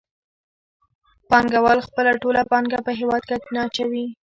پانګوال خپله ټوله پانګه په هېواد کې نه اچوي